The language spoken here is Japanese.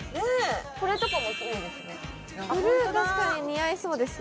これとかもいいですね